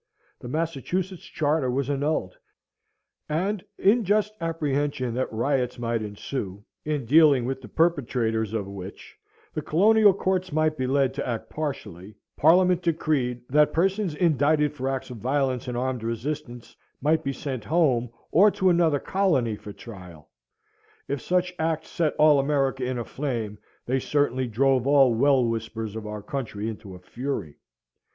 The Massachusetts Charter was annulled; and, in just apprehension that riots might ensue, in dealing with the perpetrators of which the colonial courts might be led to act partially, Parliament decreed that persons indicted for acts of violence and armed resistance, might be sent home, or to another colony, for trial. If such acts set all America in a flame, they certainly drove all wellwisbers of our country into a fury.